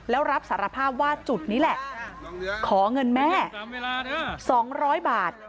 แล้วรับสารภาพว่าจุดนี้แหละขอเงินแม่๒๐๐บาท